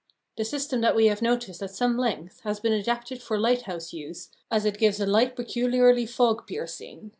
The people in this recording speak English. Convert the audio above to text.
The system that we have noticed at some length has been adapted for lighthouse use, as it gives a light peculiarly fog piercing.